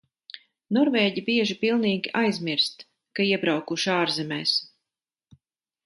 Norvēģi bieži pilnīgi aizmirst, ka iebraukuši ārzemēs.